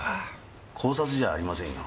絞殺じゃあありませんよ。